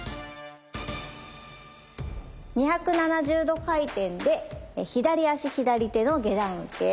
２７０度回転で左足左手の下段受け。